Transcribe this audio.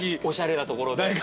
おしゃれなところで。